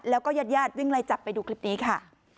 แล้วก็ญาติญาติวิ่งไล่จับไปดูคลิปนี้ค่ะ